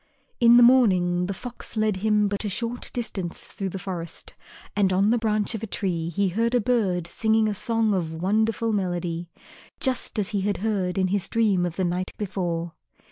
In the morning the Fox led him but a short distance through the forest and on the branch of a tree he heard a bird singing a song of wonderful melody, just as he had heard in his dream of the night before.